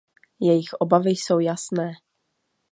Jejich obavy jsou jasné.